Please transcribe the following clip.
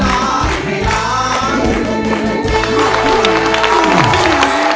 โอ้โฮ